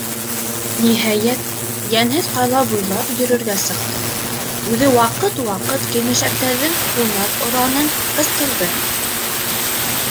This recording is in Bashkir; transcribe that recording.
Ниһайәт, йәнһеҙ ҡала буйлап йөрөргә сыҡты, үҙе ваҡыт-ваҡыт Килмешәктәрҙең һунар Оранын ҡысҡырҙы.